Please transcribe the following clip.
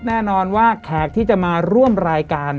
แน่นอนว่าแขกที่จะมาร่วมรายการ